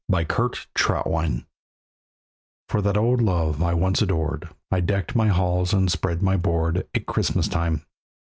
AT CHRISTMAS TIME For that old love I once adored I decked my halls and spread my board At Christmas time.